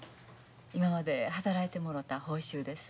今まで働いてもろた報酬です。